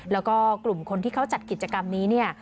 แล้วก็กลุ่มคนที่เขาจัดกิจกรรมนี้เนี่ย